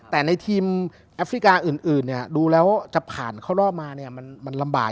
แต่ในทีมแอฟริกาอื่นดูแล้วจะผ่านเข้ารอบมาเนี่ยมันลำบาก